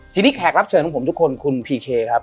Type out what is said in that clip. ทีนี้แขกรับเชิญของผมทุกคนคุณพีเคครับ